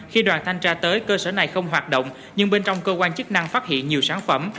khi đoàn thanh tra tới cơ sở này không hoạt động nhưng bên trong cơ quan chức năng phát hiện nhiều sản phẩm